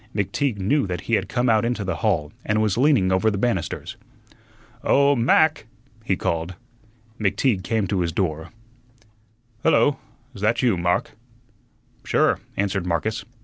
McTeague knew that he had come out into the hall and was leaning over the banisters. "Oh, Mac!" he called. McTeague came to his door. "Hullo! 'sthat you, Mark?" "Sure," answered Marcus.